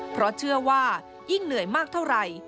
เพราะเชื่อว่ายิ่งเหนื่อยมากเท่าไหร่